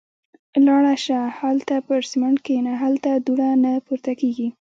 – لاړه شه. هالته پر سمڼت کېنه. هلته دوړه نه پورته کېږي.